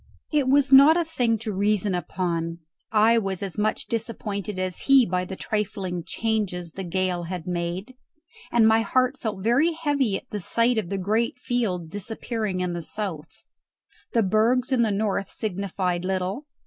It was not a thing to reason upon. I was as much disappointed as he by the trifling changes the gale had made, and my heart felt very heavy at the sight of the great field disappearing in the south. The bergs in the north signified little.